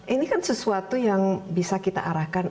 ini kan sesuatu yang bisa kita arahkan